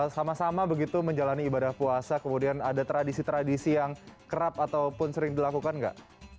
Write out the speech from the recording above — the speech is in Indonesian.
sama sama begitu menjalani ibadah puasa kemudian ada tradisi tradisi yang kerap ataupun sering dilakukan nggak